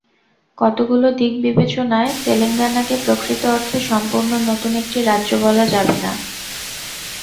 কতগুলো দিক বিবেচনায় তেলেঙ্গানাকে প্রকৃত অর্থে সম্পূর্ণ নতুন একটি রাজ্য বলা যাবে না।